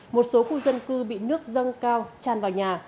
một số khu dân cư bị nước dâng cao chan vào nhà